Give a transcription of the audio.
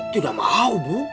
tidak mau bu